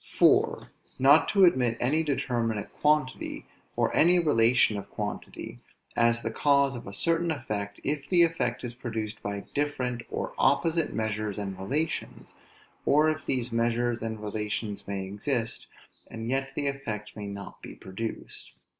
4. Not to admit any determinate quantity, or any relation of quantity, as the cause of a certain effect, if the effect is produced by different or opposite measures and relations; or if these measures and relations may exist, and yet the effect may not be produced.